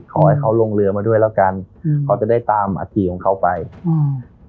ขอให้เขาลงเรือมาด้วยแล้วกันอืมเขาจะได้ตามอาธิของเขาไปอืม